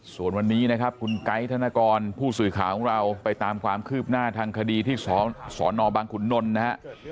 ส่วนวันนี้นะครับคุณไกด์ธนกรผู้สื่อข่าวของเราไปตามความคืบหน้าทางคดีที่สนบังขุนนลนะฮะ